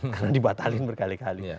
karena dibatalin berkali kali